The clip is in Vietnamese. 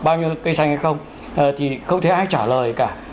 bao nhiêu cây xanh hay không thì không thấy ai trả lời cả